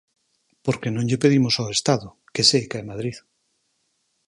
Porque non lle pedimos ao Estado, que seica é Madrid.